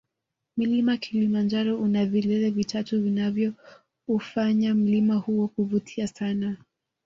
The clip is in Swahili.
mlima kilimanjaro una vilele vitatu vinavyoufanya mlima huo kuvutia sana